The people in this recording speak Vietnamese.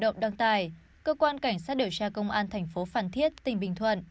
động đăng tài cơ quan cảnh sát điều tra công an tp phan thiết tỉnh bình thuận